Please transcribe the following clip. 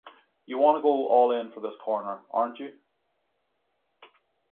You want to go all in for this corner, aren't you?